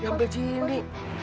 yang beli gini